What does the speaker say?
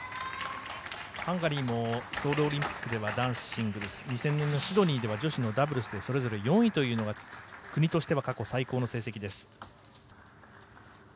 ハンガリーもソウルオリンピックでは男子シングルス２０００年のシドニーでは女子のダブルスでそれぞれ４位というのが国としては過去最高の成績です。